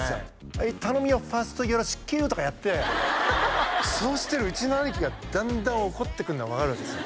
「はい頼むよファーストよろしく」とかやってそしたらうちの兄貴がだんだん怒ってくるのが分かるんですよ